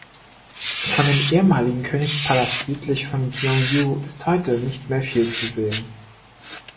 Von dem ehemaligen Königspalast südlich von Gyeongju ist heute nicht mehr viel zu sehen.